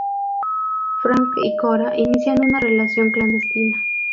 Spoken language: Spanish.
Frank y Cora inician una relación clandestina.